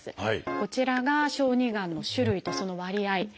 こちらが小児がんの種類とその割合です。